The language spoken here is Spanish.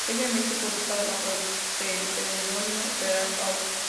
Previamente publicaba bajo el pseudónimo Feral Faun.